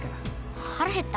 腹減った。